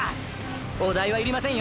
お代はいりませんよ